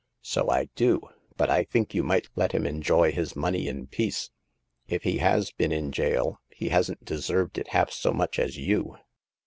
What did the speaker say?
" So I do ; but I think you might let him en joy his money in peace. If he has been in jail, he hasn't deserved it half so much as you."